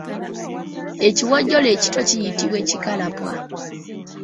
Ekiwojjolo ekito kiyitibwa Kikalappwa.